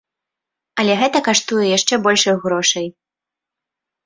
Але гэта каштуе яшчэ большых грошай.